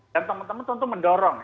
dan teman teman tentu mendorong